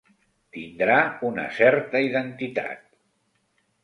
Tindrà una certa identitat.